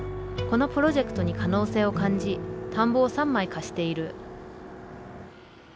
このプロジェクトに可能性を感じ田んぼを３枚貸している。